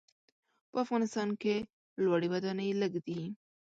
په افغانستان کې لوړې ودانۍ لږ دي.